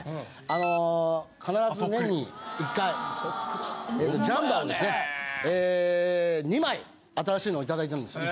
あの必ず年に１回ジャンパーをですねえ２枚新しいのを頂いてるんですよ。